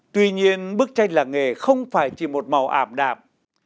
tuy nhiên bức tranh làng nghề không phải chỉ một màu ảm đạp